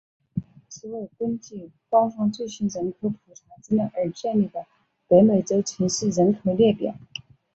此为根据官方最新人口普查资料而建立的北美洲城市人口列表。